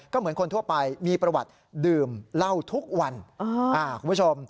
ก็เหมือนคนทั่วไปมีประวัติดื่มเหล้าทุกวันคุณผู้ชม